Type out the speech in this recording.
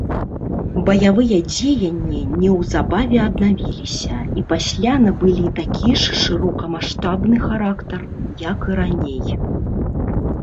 Баявыя дзеянні неўзабаве аднавіліся, і пасля набылі такі ж шырокамаштабны характар, як і раней.